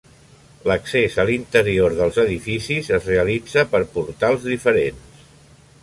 L'accés a l'interior dels edificis es realitza per portals diferents.